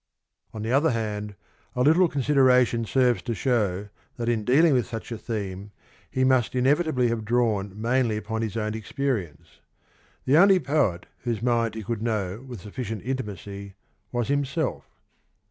On the other hand a little consideration serves to show that in dealing with such a theme he must inevitably have drawn mainly upon his own experience. The only poet whose mind he could know with sufficient intimacy was himself.